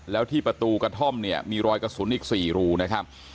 แล้วที่ประตูกระท่อมเนี่ยมีรอยกระสุนอีก๔รูนะครับ